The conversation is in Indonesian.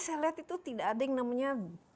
saya lihat itu tidak ada yang namanya